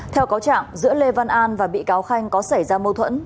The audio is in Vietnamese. theo cáo trạng giữa lê văn an và bị cáo khanh có xảy ra mâu thuẫn